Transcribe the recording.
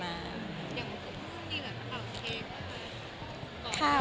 อย่างพรุ่งนี้เหรอเพราะเปล่าเค้ก